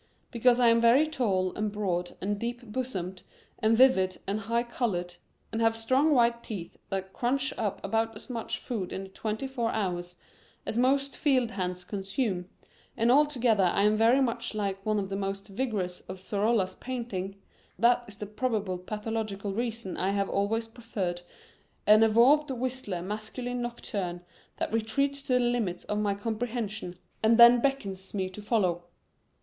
Because I am very tall and broad and deep bosomed and vivid and high colored, and have strong white teeth that crunch up about as much food in the twenty four hours as most field hands consume, and altogether I am very much like one of the most vigorous of Sorolla's paintings, that is the probable pathological reason I have always preferred an evolved Whistler masculine nocturne that retreats to the limits of my comprehension and then beckons me to follow.